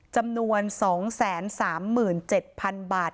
จำนวน๒๓๗๐๐๐บาท